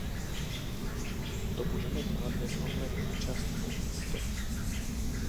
To budeme dělat bez ohledu na čas nebo místo.